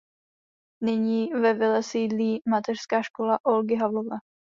Nyní ve vile sídlí "Mateřská škola Olgy Havlové".